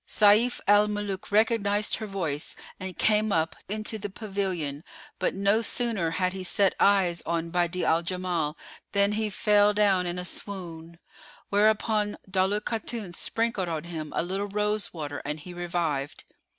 Sayf al Muluk recognised her voice and came up into the pavilion; but no sooner had he set eyes on Badi'a al Jamal, than he fell down in a swoon; whereupon Daulat Khatun sprinkled on him a little rose water and he revived.